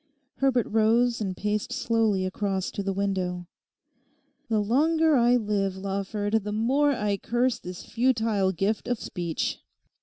Herbert rose and paced slowly across to the window. 'The longer I live, Lawford, the more I curse this futile gift of speech.